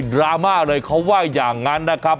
ราม่าเลยเขาว่าอย่างนั้นนะครับ